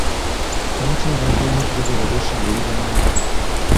Lwaki abantu abamu tebabeera beesigwa eri bannaabwe?